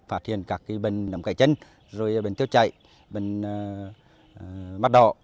phát hiện các bệnh nằm cậy chân bệnh tiêu chạy bệnh mắt đỏ